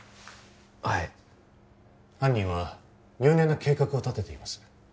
はい犯人は入念な計画を立てています